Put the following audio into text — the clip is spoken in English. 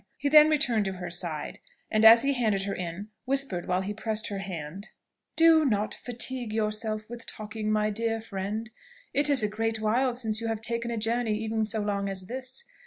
He then returned to her side, and as he handed her in, whispered, while he pressed her hand, "Do not fatigue yourself with talking, my dear friend: it is a great while since you have taken a journey even so long as this.